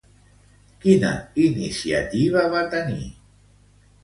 Quina iniciativa va tenir?